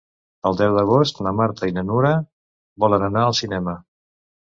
El deu d'agost na Marta i na Nura volen anar al cinema.